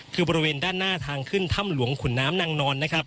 คือบริเวณด้านหน้าทางขึ้นถ้ำหลวงขุนน้ำนางนอนนะครับ